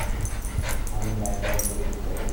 আমি light on করতে চাই।